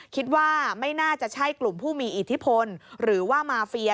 คิดว่าไม่น่าจะใช่กลุ่มผู้มีอิทธิพลหรือว่ามาเฟีย